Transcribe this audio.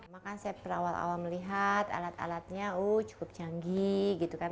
makanya saya berawal awal melihat alat alatnya cukup canggih gitu kan